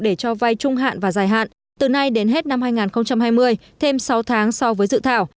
để cho vay trung hạn và dài hạn từ nay đến hết năm hai nghìn hai mươi thêm sáu tháng so với dự thảo